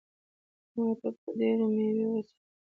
ما ته به ډېرې مېوې وساتي.